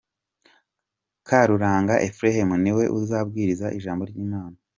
Karuranga Ephrem ni we uzabwiriza ijambo ry’Imana.